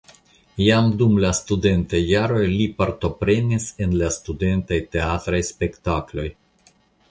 Jam dum la studentaj jaroj li partoprenis en la studentaj teatraj spektakloj.